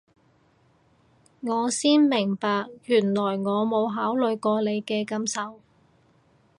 我先明白原來我冇考慮過你嘅感受